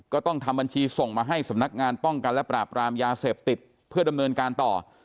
ต้องทำบัญชีส่งมาให้สำนักงานป้องกันและปราบรามยาเสพติดเพื่อดำเนินการต่อ